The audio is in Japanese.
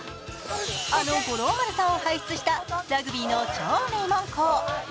あの五郎丸さんを輩出したラグビーの超名門校。